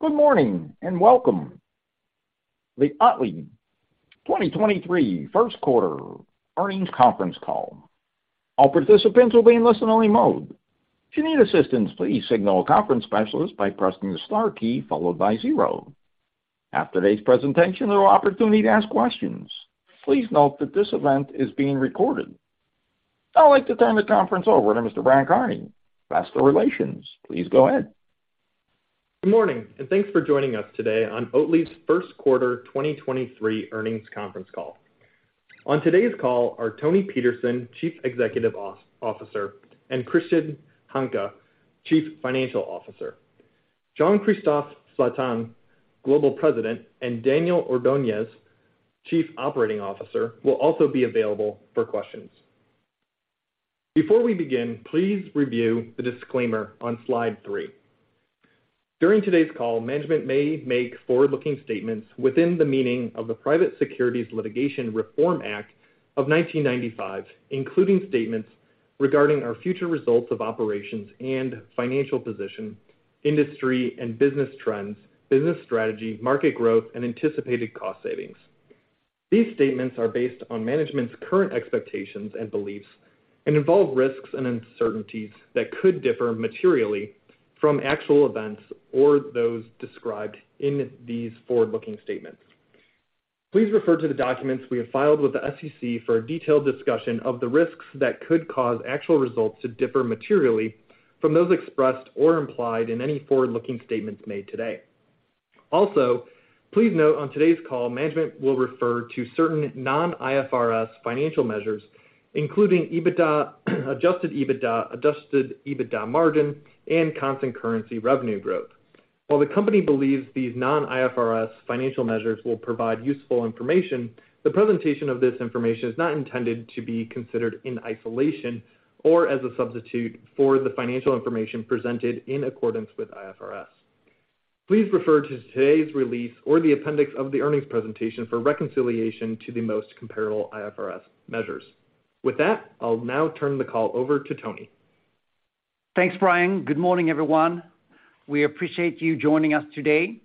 Good morning, welcome to the Oatly 2023 First Quarter Earnings Conference Call. All participants will be in listen-only mode. If you need assistance, please signal a conference specialist by pressing the star key followed by zero. After today's presentation, there will be opportunity to ask questions. Please note that this event is being recorded. I'd like to turn the conference over to Mr. Brian Kearney, Investor Relations. Please go ahead. Good morning, and thanks for joining us today on Oatly's First Quarter 2023 Earnings Conference Call. On today's call are Toni Petersson, Chief Executive Officer, and Christian Hanke, Chief Financial Officer. Jean-Christophe Flatin, Global President, and Daniel Ordóñez, Chief Operating Officer, will also be available for questions. Before we begin, please review the disclaimer on slide three. During today's call, management may make forward-looking statements within the meaning of the Private Securities Litigation Reform Act of 1995, including statements regarding our future results of operations and financial position, industry and business trends, business strategy, market growth, and anticipated cost savings. These statements are based on management's current expectations and beliefs and involve risks and uncertainties that could differ materially from actual events or those described in these forward-looking statements. Please refer to the documents we have filed with the SEC for a detailed discussion of the risks that could cause actual results to differ materially from those expressed or implied in any forward-looking statements made today. Please note on today's call, management will refer to certain non-IFRS financial measures, including EBITDA, adjusted EBITDA, adjusted EBITDA margin, and constant currency revenue growth. While the company believes these non-IFRS financial measures will provide useful information, the presentation of this information is not intended to be considered in isolation or as a substitute for the financial information presented in accordance with IFRS. Please refer to today's release or the appendix of the earnings presentation for reconciliation to the most comparable IFRS measures. With that, I'll now turn the call over to Toni. Thanks, Brian. Good morning, everyone. We appreciate you joining us today.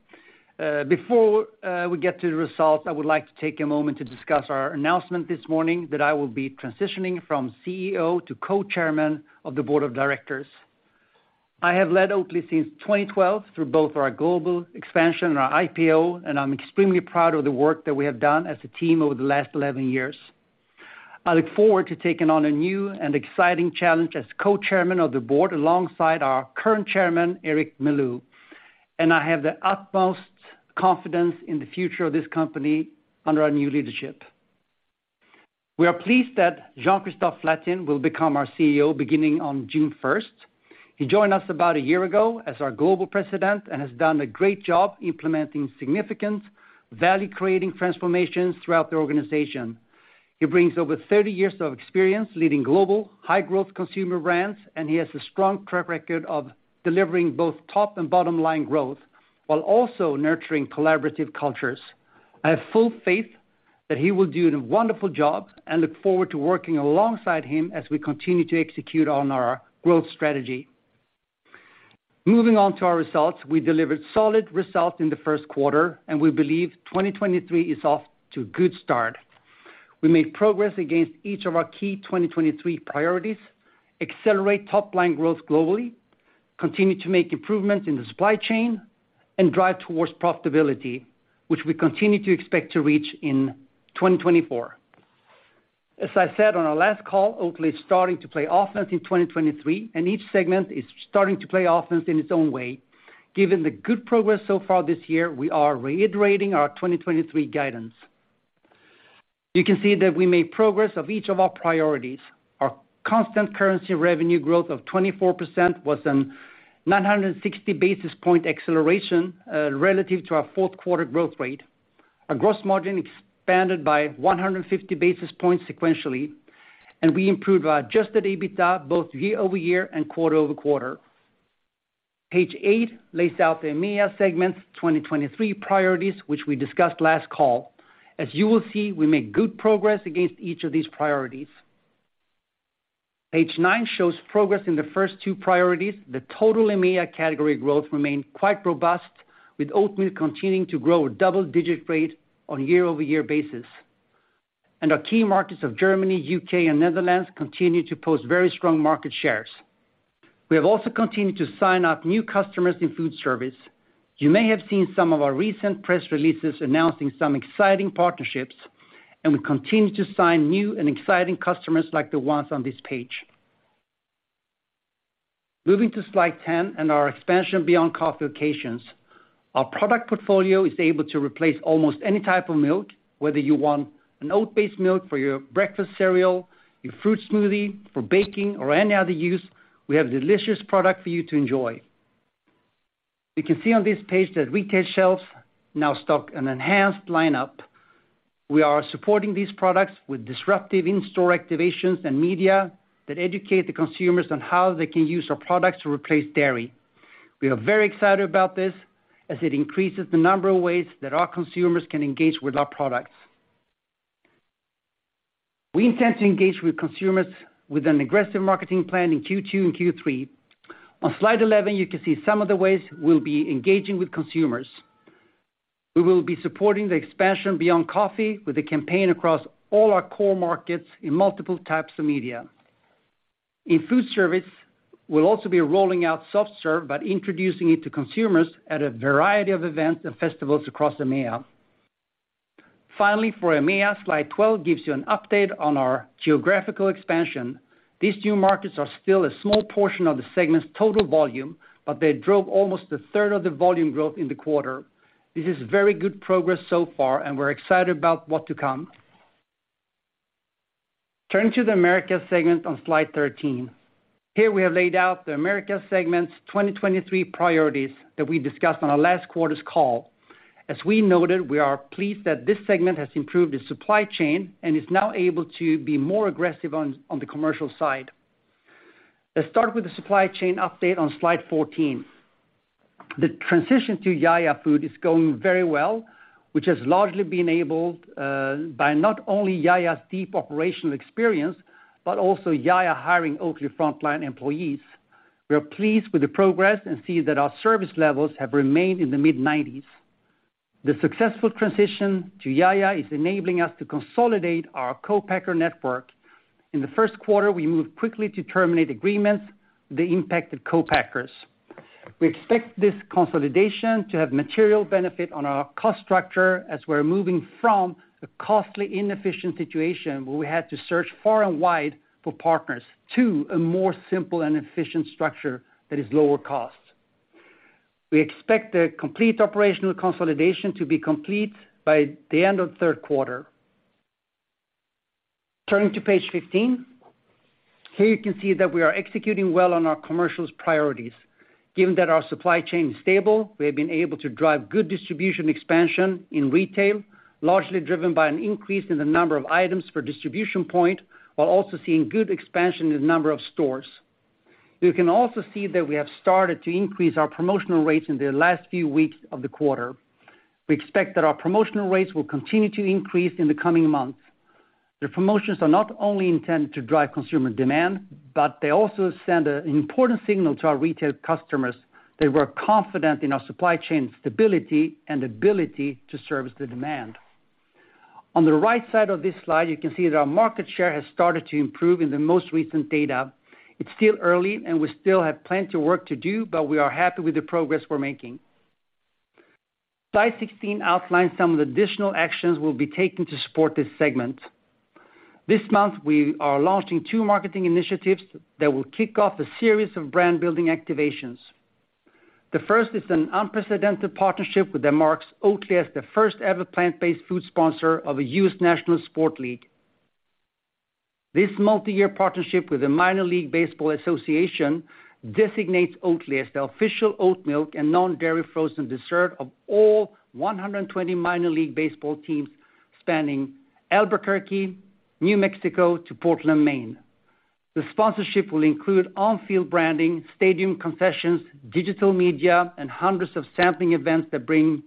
Before we get to the results, I would like to take a moment to discuss our announcement this morning that I will be transitioning from CEO to Co-chairman of the board of directors. I have led Oatly since 2012 through both our global expansion and our IPO, and I'm extremely proud of the work that we have done as a team over the last 11 years. I look forward to taking on a new and exciting challenge as Co-chairman of the board alongside our current Chairman, Eric Melloul, and I have the utmost confidence in the future of this company under our new leadership. We are pleased that Jean-Christophe Flatin will become our CEO beginning on June 1st. He joined us about a year ago as our Global President and has done a great job implementing significant value-creating transformations throughout the organization. He brings over 30 years of experience leading global high-growth consumer brands. He has a strong track record of delivering both top and bottom-line growth while also nurturing collaborative cultures. I have full faith that he will do a wonderful job and look forward to working alongside him as we continue to execute on our growth strategy. Moving on to our results. We delivered solid results in the first quarter. We believe 2023 is off to a good start. We made progress against each of our key 2023 priorities, accelerate top-line growth globally, continue to make improvements in the supply chain, and drive towards profitability, which we continue to expect to reach in 2024. As I said on our last call, Oatly is starting to play offense in 2023, and each segment is starting to play offense in its own way. Given the good progress so far this year, we are reiterating our 2023 guidance. You can see that we made progress of each of our priorities. Our constant currency revenue growth of 24% was a 960 basis point acceleration relative to our fourth quarter growth rate. Our gross margin expanded by 150 basis points sequentially, and we improved our adjusted EBITDA both year-over-year and quarter-over-quarter. Page 8 lays out the EMEA segment's 2023 priorities, which we discussed last call. As you will see, we made good progress against each of these priorities. Page 9 shows progress in the first two priorities. The total EMEA category growth remained quite robust, with oat milk continuing to grow a double-digit rate on a year-over-year basis. Our key markets of Germany, U.K., and Netherlands continue to post very strong market shares. We have also continued to sign up new customers in food service. You may have seen some of our recent press releases announcing some exciting partnerships, and we continue to sign new and exciting customers like the ones on this page. Moving to slide 10 and our expansion beyond coffee occasions. Our product portfolio is able to replace almost any type of milk. Whether you want an oat-based milk for your breakfast cereal, your fruit smoothie, for baking, or any other use, we have delicious product for you to enjoy. You can see on this page that retail shelves now stock an enhanced lineup. We are supporting these products with disruptive in-store activations and media that educate the consumers on how they can use our products to replace dairy. We are very excited about this as it increases the number of ways that our consumers can engage with our products. We intend to engage with consumers with an aggressive marketing plan in Q2 and Q3. On slide 11, you can see some of the ways we'll be engaging with consumers. We will be supporting the expansion beyond coffee with a campaign across all our core markets in multiple types of media. In food service, we'll also be rolling out Soft Serve by introducing it to consumers at a variety of events and festivals across EMEA. For EMEA, slide 12 gives you an update on our geographical expansion. These new markets are still a small portion of the segment's total volume. They drove almost a third of the volume growth in the quarter. This is very good progress so far. We're excited about what to come. Turning to the Americas segment on slide 13. Here we have laid out the Americas segment's 2023 priorities that we discussed on our last quarter's call. As we noted, we are pleased that this segment has improved its supply chain and is now able to be more aggressive on the commercial side. Let's start with the supply chain update on slide 14. The transition to Ya YA Foods is going very well, which has largely been enabled by not only Ya YA's deep operational experience, but also Ya YA hiring Oatly frontline employees. We are pleased with the progress and see that our service levels have remained in the mid-90s. The successful transition to Ya YA is enabling us to consolidate our co-packer network. In the first quarter, we moved quickly to terminate agreements with the impacted co-packers. We expect this consolidation to have material benefit on our cost structure as we're moving from a costly, inefficient situation where we had to search far and wide for partners, to a more simple and efficient structure that is lower cost. We expect the complete operational consolidation to be complete by the end of third quarter. Turning to page 15. Here you can see that we are executing well on our commercials priorities. Given that our supply chain is stable, we have been able to drive good distribution expansion in retail, largely driven by an increase in the number of items per distribution point, while also seeing good expansion in the number of stores. You can also see that we have started to increase our promotional rates in the last few weeks of the quarter. We expect that our promotional rates will continue to increase in the coming months. The promotions are not only intended to drive consumer demand, but they also send an important signal to our retail customers that we're confident in our supply chain stability and ability to service the demand. On the right side of this slide, you can see that our market share has started to improve in the most recent data. It's still early, and we still have plenty of work to do, but we are happy with the progress we're making. Slide 16 outlines some of the additional actions we'll be taking to support this segment. This month, we are launching two marketing initiatives that will kick off a series of brand-building activations. The first is an unprecedented partnership that marks Oatly as the first-ever plant-based food sponsor of a U.S. national sport league. This multi-year partnership with the Minor League Baseball designates Oatly as the official oat milk and non-dairy frozen dessert of all 120 Minor League baseball teams spanning Albuquerque, New Mexico to Portland, Maine. The sponsorship will include on-field branding, stadium concessions, digital media, and hundreds of sampling events that bring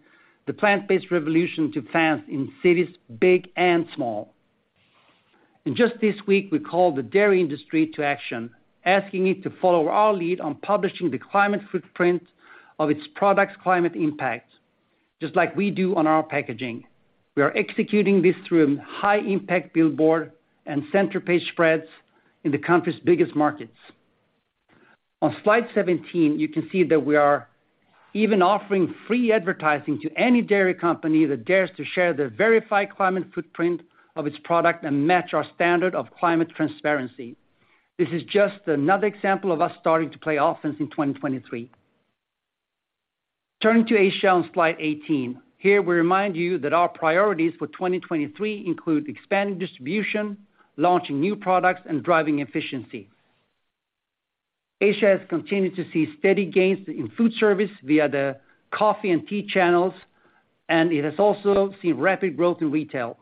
the plant-based revolution to fans in cities big and small. Just this week, we called the dairy industry to action, asking it to follow our lead on publishing the climate footprint of its product's climate impact, just like we do on our packaging. We are executing this through high impact billboard and center page spreads in the country's biggest markets. On slide 17, you can see that we are even offering free advertising to any dairy company that dares to share the verified climate footprint of its product and match our standard of climate transparency. This is just another example of us starting to play offense in 2023. Turning to Asia on slide 18. Here we remind you that our priorities for 2023 include expanding distribution, launching new products, and driving efficiency. Asia has continued to see steady gains in food service via the coffee and tea channels, and it has also seen rapid growth in retail.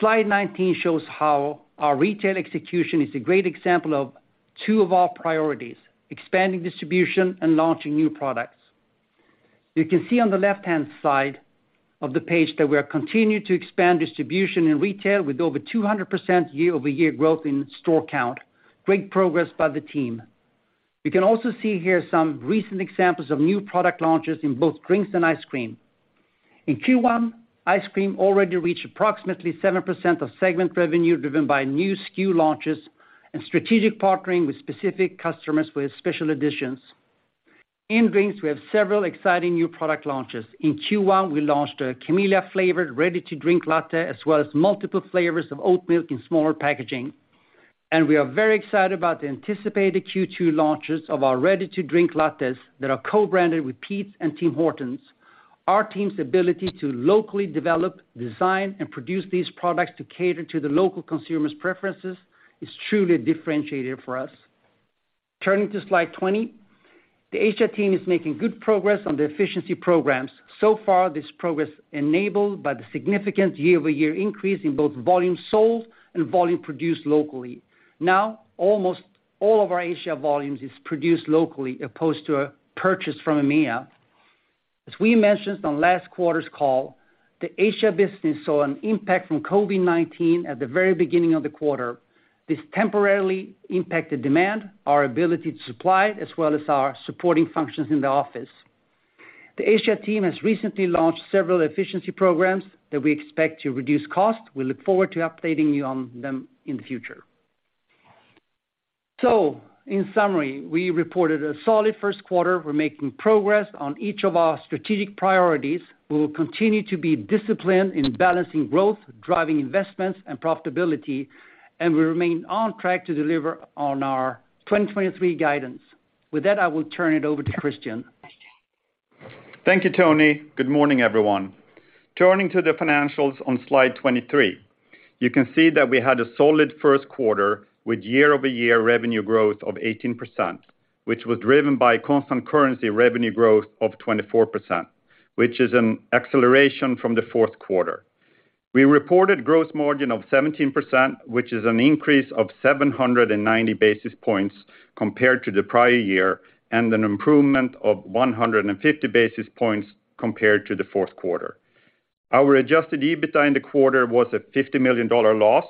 Slide 19 shows how our retail execution is a great example of two of our priorities, expanding distribution and launching new products. You can see on the left-hand side of the page that we are continuing to expand distribution in retail with over 200% year-over-year growth in store count. Great progress by the team. You can also see here some recent examples of new product launches in both drinks and ice cream. In Q1, ice cream already reached approximately 7% of segment revenue, driven by new SKU launches and strategic partnering with specific customers with special editions. In drinks, we have several exciting new product launches. In Q1, we launched a chamomile flavored ready-to-drink latte, as well as multiple flavors of oat milk in smaller packaging. We are very excited about the anticipated Q2 launches of our ready-to-drink lattes that are co-branded with Peet's and Tim Hortons. Our team's ability to locally develop, design, and produce these products to cater to the local consumer's preferences is truly differentiated for us. Turning to slide 20, the Asia team is making good progress on the efficiency programs. Far, this progress enabled by the significant year-over-year increase in both volume sold and volume produced locally. Almost all of our Asia volumes is produced locally as opposed to purchased from EMEA. As we mentioned on last quarter's call, the Asia business saw an impact from COVID-19 at the very beginning of the quarter. This temporarily impacted demand, our ability to supply, as well as our supporting functions in the office. The Asia team has recently launched several efficiency programs that we expect to reduce costs. We look forward to updating you on them in the future. In summary, we reported a solid first quarter. We're making progress on each of our strategic priorities. We will continue to be disciplined in balancing growth, driving investments and profitability, and we remain on track to deliver on our 2023 guidance. With that, I will turn it over to Christian. Thank you, Toni. Good morning, everyone. Turning to the financials on slide 23. You can see that we had a solid first quarter with year-over-year revenue growth of 18%, which was driven by constant currency revenue growth of 24%, which is an acceleration from the fourth quarter. We reported gross margin of 17%, which is an increase of 790 basis points compared to the prior year, and an improvement of 150 basis points compared to the fourth quarter. Our adjusted EBITDA in the quarter was a $50 million loss,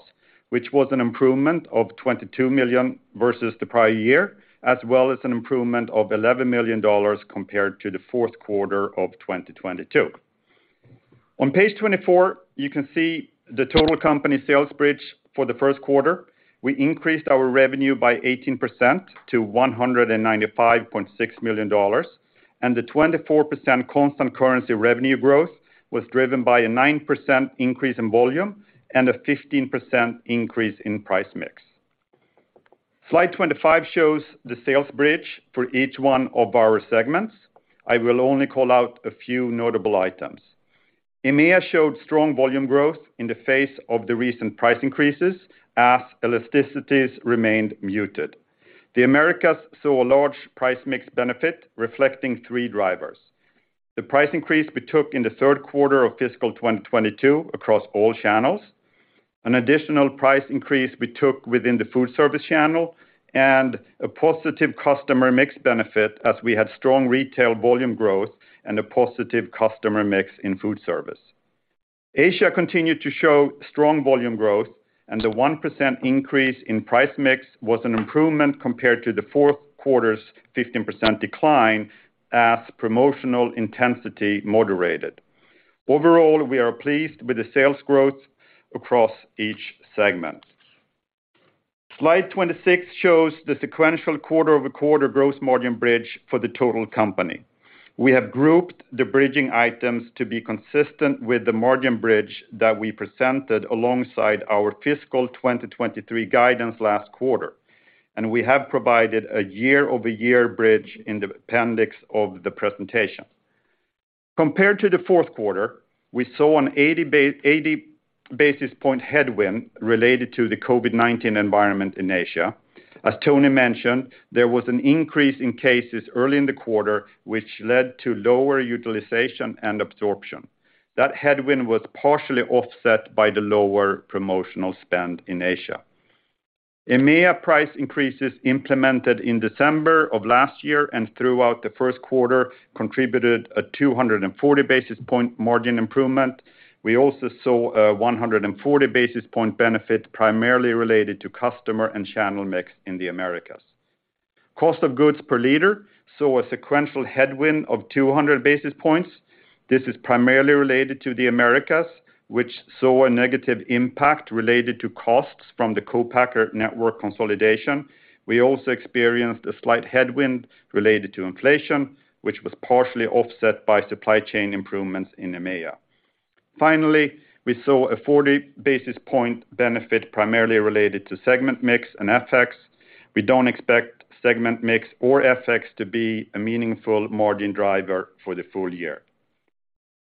which was an improvement of $22 million versus the prior year, as well as an improvement of $11 million compared to the fourth quarter of 2022. On page 24, you can see the total company sales bridge for the first quarter. We increased our revenue by 18% to $195.6 million. The 24% constant currency revenue growth was driven by a 9% increase in volume and a 15% increase in price mix. Slide 25 shows the sales bridge for each one of our segments. I will only call out a few notable items. EMEA showed strong volume growth in the face of the recent price increases as elasticities remained muted. The Americas saw a large price mix benefit reflecting three drivers. The price increase we took in the third quarter of fiscal 2022 across all channels, an additional price increase we took within the food service channel, and a positive customer mix benefit as we had strong retail volume growth and a positive customer mix in food service. Asia continued to show strong volume growth. The 1% increase in price mix was an improvement compared to the fourth quarter's 15% decline as promotional intensity moderated. Overall, we are pleased with the sales growth across each segment. Slide 26 shows the sequential quarter-over-quarter gross margin bridge for the total company. We have grouped the bridging items to be consistent with the margin bridge that we presented alongside our fiscal 2023 guidance last quarter. We have provided a year-over-year bridge in the appendix of the presentation. Compared to the fourth quarter, we saw an 80 basis point headwind related to the COVID-19 environment in Asia. As Toni mentioned, there was an increase in cases early in the quarter, which led to lower utilization and absorption. That headwind was partially offset by the lower promotional spend in Asia. EMEA price increases implemented in December of last year and throughout the first quarter contributed a 240 basis point margin improvement. We also saw a 140 basis point benefit primarily related to customer and channel mix in the Americas. Cost of goods per liter saw a sequential headwind of 200 basis points. This is primarily related to the Americas, which saw a negative impact related to costs from the co-packer network consolidation. We also experienced a slight headwind related to inflation, which was partially offset by supply chain improvements in EMEA. We saw a 40 basis point benefit primarily related to segment mix and FX. We don't expect segment mix or FX to be a meaningful margin driver for the full year.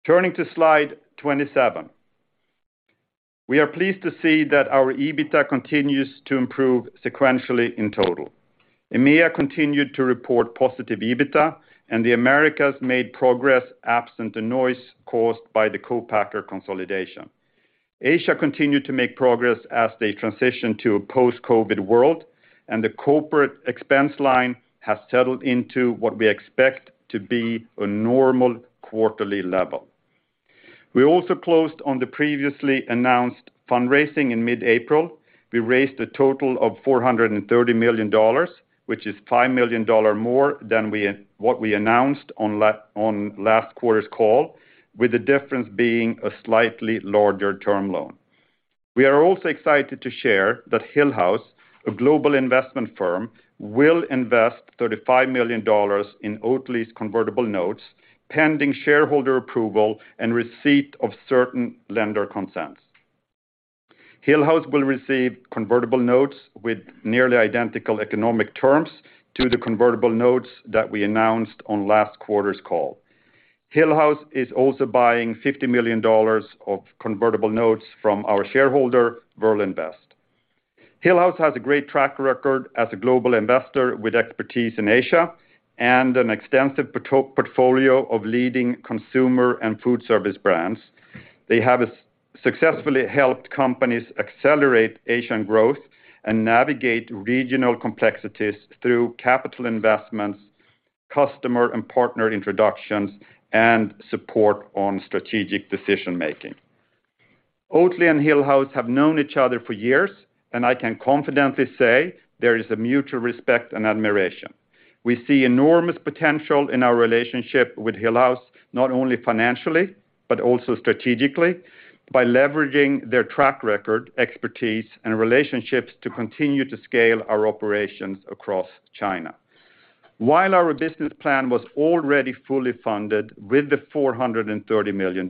Turning to slide 27. We are pleased to see that our EBITDA continues to improve sequentially in total. EMEA continued to report positive EBITDA. The Americas made progress absent the noise caused by the co-packer consolidation. Asia continued to make progress as they transition to a post-COVID world. The corporate expense line has settled into what we expect to be a normal quarterly level. We also closed on the previously announced fundraising in mid-April. We raised a total of $430 million, which is $5 million more than what we announced on last quarter's call, with the difference being a slightly larger term loan. We are also excited to share that Hillhouse, a global investment firm, will invest $35 million in Oatly's convertible notes, pending shareholder approval and receipt of certain lender consents. Hillhouse will receive convertible notes with nearly identical economic terms to the convertible notes that we announced on last quarter's call. Hillhouse is also buying $50 million of convertible notes from our shareholder, Verlinvest. Hillhouse has a great track record as a global investor with expertise in Asia and an extensive portfolio of leading consumer and food service brands. They have Successfully helped companies accelerate Asian growth and navigate regional complexities through capital investments, customer and partner introductions, and support on strategic decision-making. Oatly and Hillhouse have known each other for years, and I can confidently say there is a mutual respect and admiration. We see enormous potential in our relationship with Hillhouse, not only financially, but also strategically by leveraging their track record, expertise, and relationships to continue to scale our operations across China. While our business plan was already fully funded with $430 million,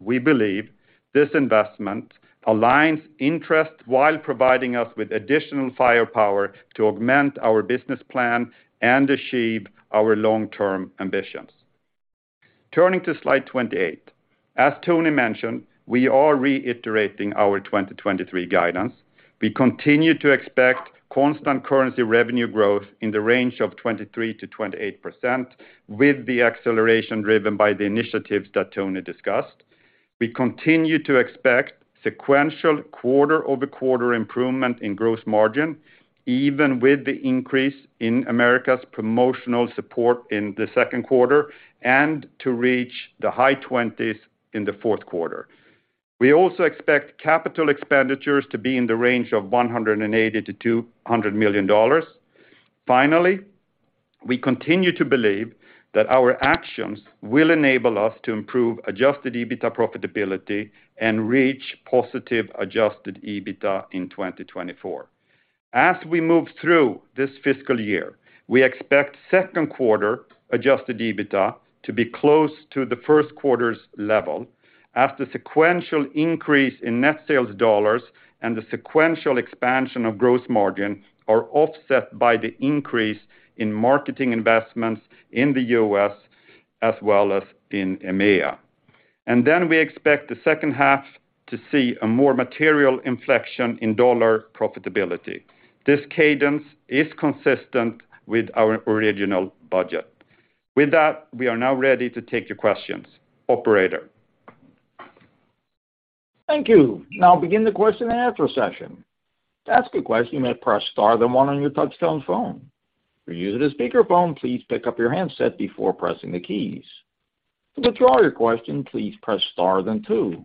we believe this investment aligns interest while providing us with additional firepower to augment our business plan and achieve our long-term ambitions. Turning to slide 28. As Toni mentioned, we are reiterating our 2023 guidance. We continue to expect constant currency revenue growth in the range of 23%-28%, with the acceleration driven by the initiatives that Toni discussed. We continue to expect sequential quarter-over-quarter improvement in gross margin, even with the increase in America's promotional support in the second quarter, and to reach the high twenties in the fourth quarter. We also expect capital expenditures to be in the range of $180 million-$200 million. Finally, we continue to believe that our actions will enable us to improve adjusted EBITDA profitability and reach positive adjusted EBITDA in 2024. As we move through this fiscal year, we expect second quarter adjusted EBITDA to be close to the first quarter's level after sequential increase in net sales dollars and the sequential expansion of gross margin are offset by the increase in marketing investments in the U.S. as well as in EMEA. We expect the second half to see a more material inflection in dollar profitability. This cadence is consistent with our original budget. With that, we are now ready to take your questions. Operator? Thank you. Begin the question and answer session. To ask a question, you may press star then one on your touchtone phone. If you're using a speakerphone, please pick up your handset before pressing the keys. To withdraw your question, please press star then two.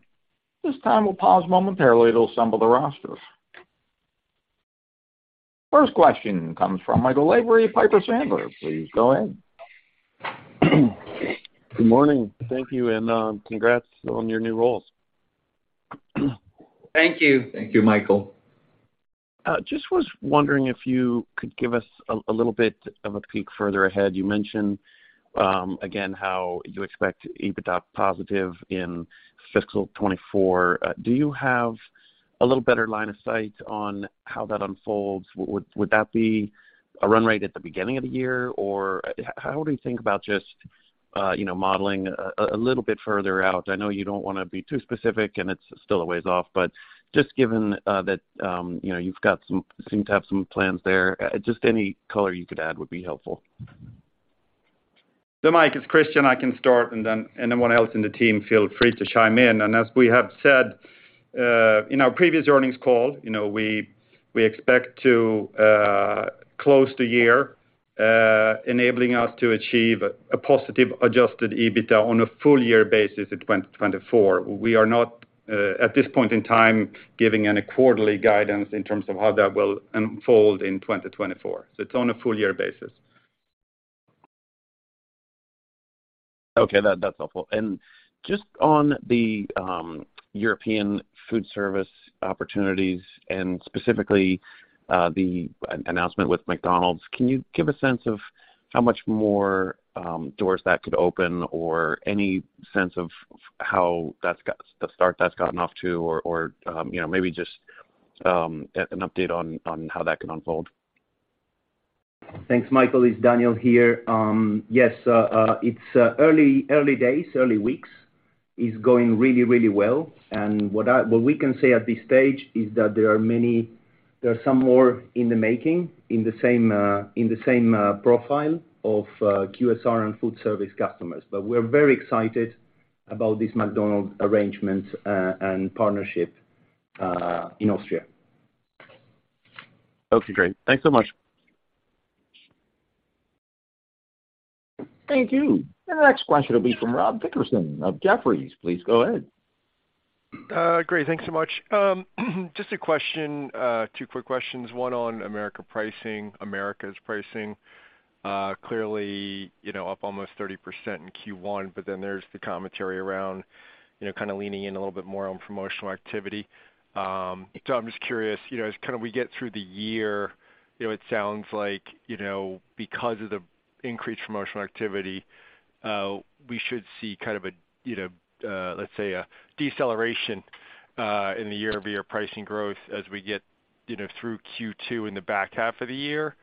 This time we'll pause momentarily to assemble the roster. First question comes from Michael Lavery, Piper Sandler. Please go in. Good morning. Thank you, and congrats on your new roles. Thank you. Thank you, Michael. Just was wondering if you could give us a little bit of a peek further ahead. You mentioned again, how you expect EBITDA positive in fiscal 2024. Do you have a little better line of sight on how that unfolds? Would that be a run rate at the beginning of the year, or how do you think about just, you know, modeling a little bit further out? I know you don't wanna be too specific, and it's still a ways off, but just given that, you know, seem to have some plans there, just any color you could add would be helpful. Mike, it's Christian, I can start, and then, anyone else in the team feel free to chime in. As we have said, in our previous earnings call, you know, we expect to close the year, enabling us to achieve a positive adjusted EBITDA on a full year basis in 2024. We are not, at this point in time, giving any quarterly guidance in terms of how that will unfold in 2024. It's on a full year basis. Okay. That's helpful. Just on the European food service opportunities and specifically, the announcement with McDonald's, can you give a sense of how much more doors that could open or any sense of how the start that's gotten off to or, you know, maybe just an update on how that can unfold? Thanks, Michael. It's Daniel here. Yes, it's early days, early weeks. It's going really well. What we can say at this stage is that there are some more in the making in the same profile of QSR and food service customers. We're very excited about this McDonald's arrangement and partnership in Austria. Okay, great. Thanks so much. Thank you. The next question will be from Rob Dickerson of Jefferies. Please go ahead. Great. Thanks so much. Just a question, two quick questions, one on Americas pricing. Clearly, you know, up almost 30% in Q1, there's the commentary around, you know, kinda leaning in a little bit more on promotional activity. I'm just curious, you know, as kinda we get through the year, you know, it sounds like, you know, because of the increased promotional activity, we should see kind of a, you know, let's say a deceleration in the year-over-year pricing growth as we get, you know, through Q2 in the back half of the year.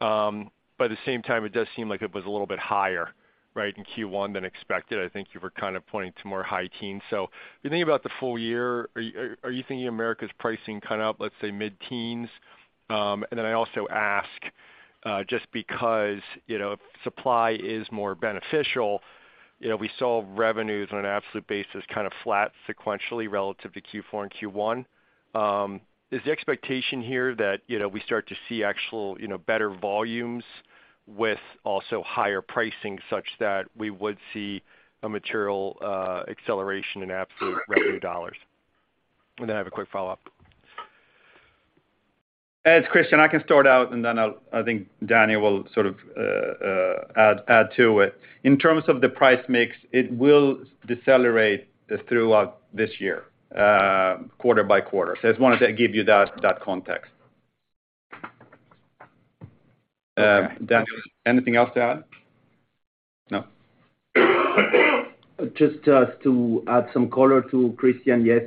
At the same time, it does seem like it was a little bit higher, right, in Q1 than expected. I think you were kind of pointing to more high teens. If you think about the full year, are you thinking America's pricing kind of, let's say mid-teens%? I also ask, just because, you know, supply is more beneficial, you know, we saw revenues on an absolute basis kind of flat sequentially relative to Q4 and Q1. Is the expectation here that, you know, we start to see actual, you know, better volumes with also higher pricing such that we would see a material acceleration in absolute revenue dollars? I have a quick follow-up. It's Christian, I can start out, and then I think Daniel will sort of add to it. In terms of the price mix, it will decelerate throughout this year, quarter by quarter. I just wanted to give you that context. Okay. Daniel, anything else to add? No. Just to add some color to Christian. Yes,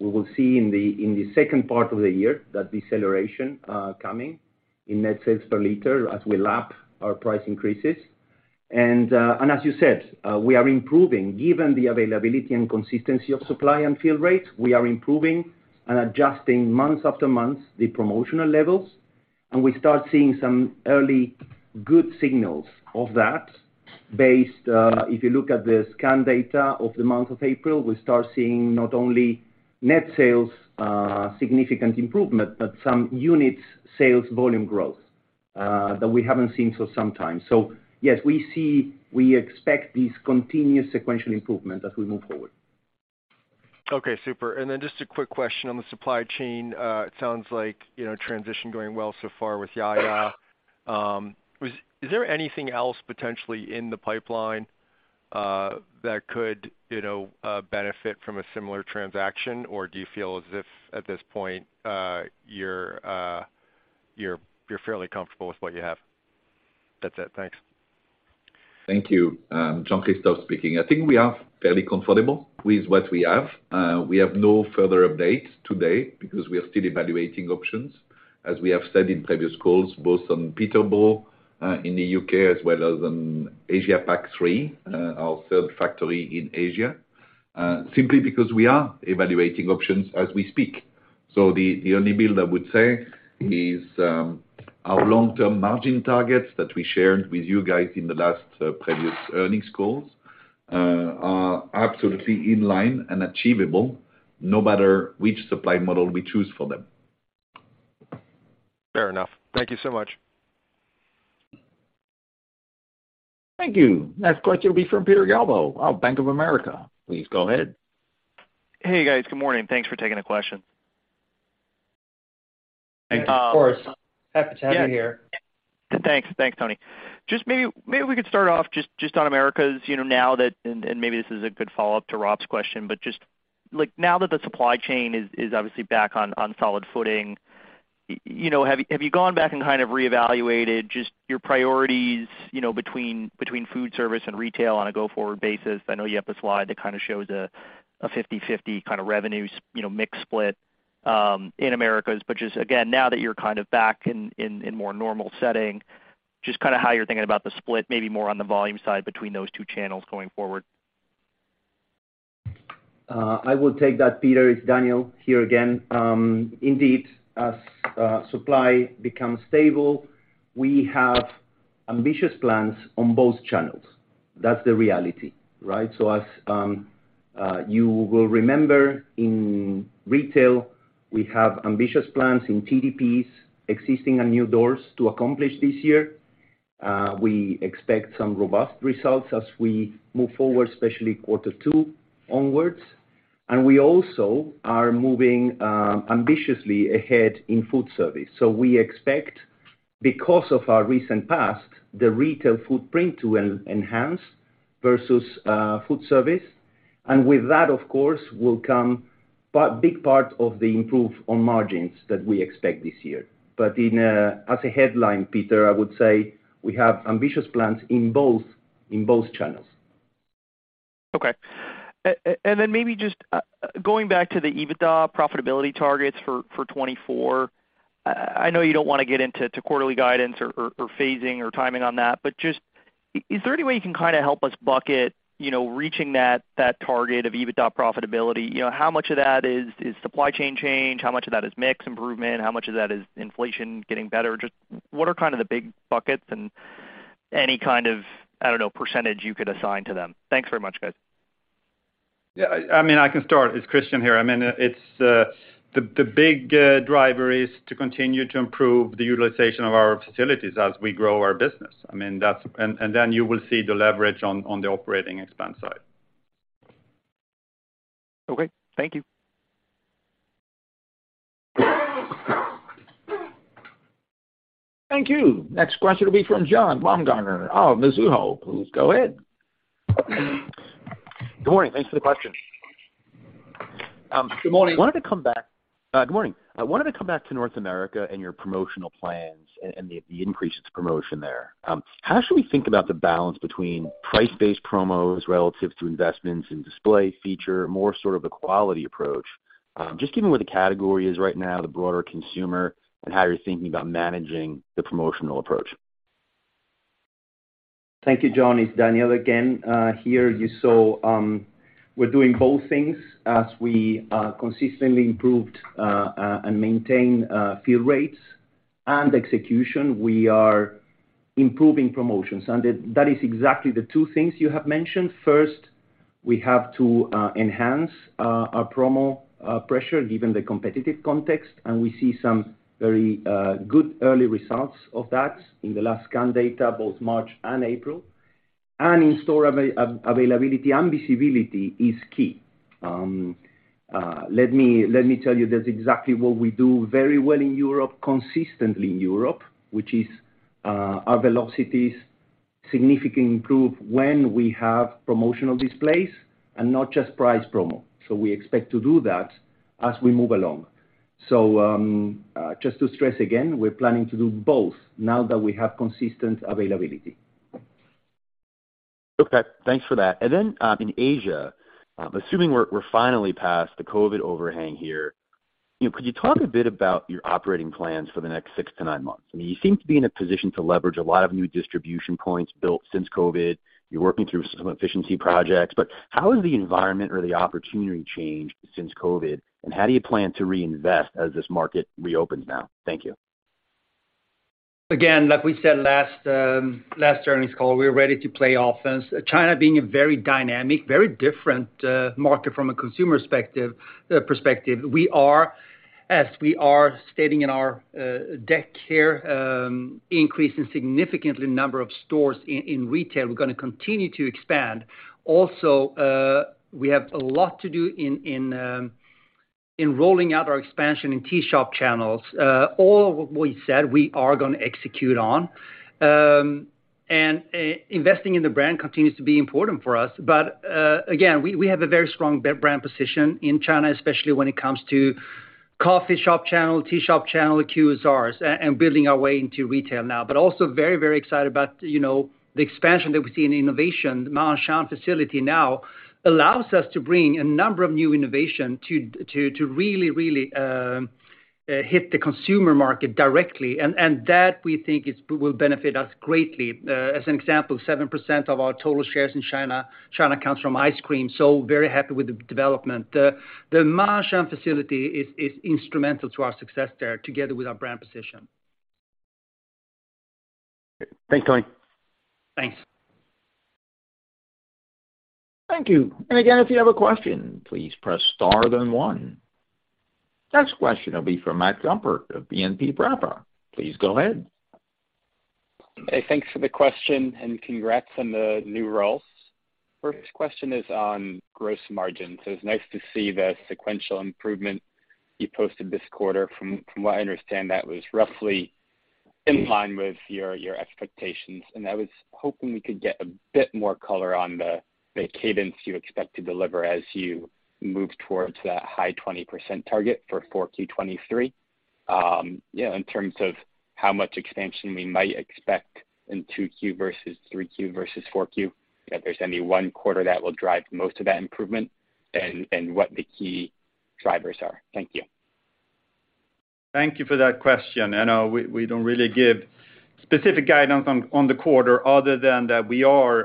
we will see in the, in the second part of the year that deceleration coming in net sales per liter as we lap our price increases. As you said, we are improving. Given the availability and consistency of supply and field rates, we are improving and adjusting month after month the promotional levels, and we start seeing some early good signals of that based, if you look at the scan data of the month of April, we start seeing not only net sales, significant improvement, but some unit sales volume growth that we haven't seen for some time. Yes, we expect this continuous sequential improvement as we move forward. a quick question on the supply chain. It sounds like, you know, transition going well so far with Ya YA Foods. Is there anything else potentially in the pipeline that could, you know, benefit from a similar transaction? Or do you feel as if at this point, you're fairly comfortable with what you have? That's it. Thanks. Thank you. Jean-Christophe speaking. I think we are fairly comfortable with what we have. We have no further update today because we are still evaluating options, as we have said in previous calls, both on Peterborough in the U.K. as well as on Asia Pac 3, our third factory in Asia, simply because we are evaluating options as we speak. The only bill I would say is our long-term margin targets that we shared with you guys in the last previous earnings calls are absolutely in line and achievable no matter which supply model we choose for them. Fair enough. Thank you so much. Thank you. Next question will be from Peter Galbo of Bank of America. Please go ahead. Hey, guys. Good morning. Thanks for taking the question. Thank you. Of course. Happy to have you here. Yeah. Thanks, Toni. Just maybe we could start off just on Americas, you know, now that, and maybe this is a good follow-up to Rob's question, but just, like, now that the supply chain is obviously back on solid footing, you know, have you gone back and kind of reevaluated just your priorities, you know, between food service and retail on a go-forward basis? I know you have a slide that kind of shows a 50/50 kind of revenues, you know, mix split in Americas. Just again, now that you're kind of back in more normal setting, just kind of how you're thinking about the split, maybe more on the volume side between those two channels going forward. I will take that, Peter. It's Daniel here again. Indeed, as supply becomes stable, we have ambitious plans on both channels. That's the reality, right? As you will remember, in retail we have ambitious plans in TDPs existing and new doors to accomplish this year. We expect some robust results as we move forward, especially quarter two onwards. We also are moving ambitiously ahead in food service. We expect, because of our recent past, the retail footprint to enhance versus food service. With that, of course, will come big part of the improve on margins that we expect this year. As a headline, Peter, I would say we have ambitious plans in both channels. Okay. Maybe just going back to the EBITDA profitability targets for 2024. I know you don't wanna get into quarterly guidance or phasing or timing on that, but just is there any way you can kinda help us bucket, you know, reaching that target of EBITDA profitability? You know, how much of that is supply chain change? How much of that is mix improvement? How much of that is inflation getting better? Just what are kind of the big buckets and any kind of, I don't know, % you could assign to them. Thanks very much, guys. Yeah. I mean, I can start. It's Christian here. I mean, it's the big driver is to continue to improve the utilization of our facilities as we grow our business. I mean, that's. Then you will see the leverage on the operating expense side. Okay, thank you. Thank you. Next question will be from John Baumgartner of Mizuho. Please go ahead. Good morning. Thanks for the question. Good morning. I wanted to come back good morning. I wanted to come back to North America and your promotional plans and the increase in promotion there. How should we think about the balance between price-based promos relative to investments in display feature, more sort of a quality approach? Just given where the category is right now, the broader consumer, and how you're thinking about managing the promotional approach. Thank you, John. It's Daniel again. Here you saw, we're doing both things as we consistently improved and maintain field rates and execution. We are improving promotions, that is exactly the two things you have mentioned. First, we have to enhance our promo pressure given the competitive context, and we see some very good early results of that in the last scan data, both March and April. In-store availability and visibility is key. Let me tell you that's exactly what we do very well in Europe, consistently in Europe, which is our velocities significantly improve when we have promotional displays and not just price promo. We expect to do that as we move along. Just to stress again, we're planning to do both now that we have consistent availability. Okay. Thanks for that. In Asia, assuming we're finally past the COVID overhang here, you know, could you talk a bit about your operating plans for the next six to nine months? I mean, you seem to be in a position to leverage a lot of new distribution points built since COVID. You're working through some efficiency projects. How has the environment or the opportunity changed since COVID, and how do you plan to reinvest as this market reopens now? Thank you. Again, like we said last earnings call, we're ready to play offense. China being a very dynamic, very different market from a consumer perspective. As we are stating in our deck here, increasing significantly number of stores in retail, we're gonna continue to expand. Also, we have a lot to do in rolling out our expansion in tea shop channels. All what we said, we are gonna execute on. Investing in the brand continues to be important for us. Again, we have a very strong brand position in China, especially when it comes to coffee shop channel, tea shop channel, QSRs, and building our way into retail now. Also very excited about, you know, the expansion that we see in innovation. The Ma'anshan facility now allows us to bring a number of new innovation to really hit the consumer market directly. That, we think, will benefit us greatly. As an example, 7% of our total shares in China comes from ice cream, very happy with the development. The Ma'anshan facility is instrumental to our success there together with our brand position. Thanks, Toni. Thanks. Thank you. Again, if you have a question, please press star then one. Next question will be from Matt Gumpert of BNP Paribas. Please go ahead. Hey, thanks for the question, and congrats on the new roles. First question is on gross margins. It's nice to see the sequential improvement you posted this quarter. From what I understand, that was roughly in line with your expectations, and I was hoping we could get a bit more color on the cadence you expect to deliver as you move towards that high 20% target for 4Q 2023. Yeah, in terms of how much expansion we might expect in 2Q versus 3Q versus 4Q, if there's any one quarter that will drive most of that improvement and what the key drivers are. Thank you. Thank you for that question. I know we don't really give specific guidance on the quarter other than that we'll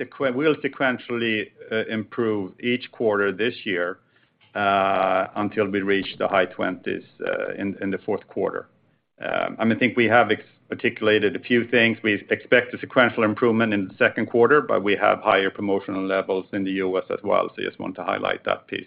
sequentially improve each quarter this year until we reach the high 20s in the fourth quarter. I think we have articulated a few things. We expect a sequential improvement in the second quarter, but we have higher promotional levels in the U.S. as well, so I just want to highlight that piece.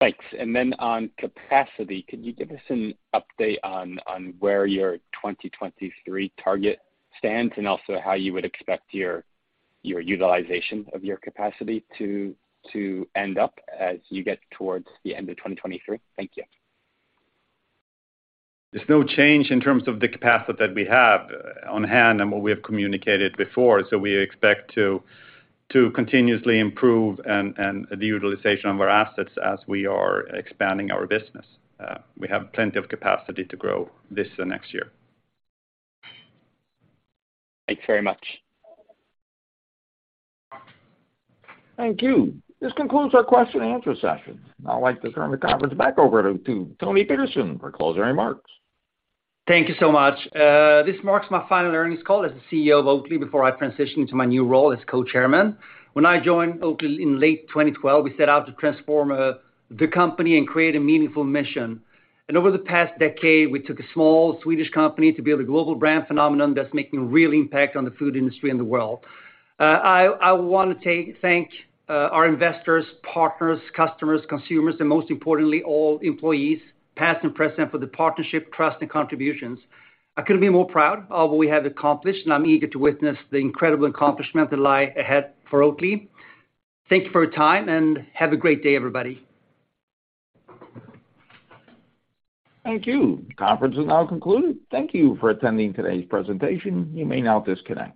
Thanks. Then on capacity, could you give us an update on where your 2023 target stands and also how you would expect your utilization of your capacity to end up as you get towards the end of 2023? Thank you. There's no change in terms of the capacity that we have on hand and what we have communicated before. We expect to continuously improve and the utilization of our assets as we are expanding our business. We have plenty of capacity to grow this next year. Thanks very much. Thank you. This concludes our question and answer session. I'd like to turn the conference back over to Toni Petersson for closing remarks. Thank you so much. This marks my final earnings call as the CEO of Oatly before I transition into my new role as Co-Chairman. When I joined Oatly in late 2012, we set out to transform the company and create a meaningful mission. Over the past decade, we took a small Swedish company to build a global brand phenomenon that's making a real impact on the food industry in the world. I wanna take thank our investors, partners, customers, consumers, and most importantly, all employees, past and present for the partnership, trust, and contributions. I couldn't be more proud of what we have accomplished, and I'm eager to witness the incredible accomplishment that lie ahead for Oatly. Thank you for your time, and have a great day, everybody. Thank you. Conference is now concluded. Thank you for attending today's presentation. You may now disconnect.